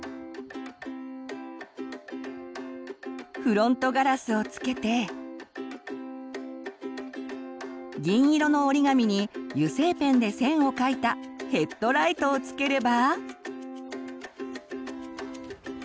フロントガラスを付けて銀色の折り紙に油性ペンで線を描いたヘッドライトを付ければ。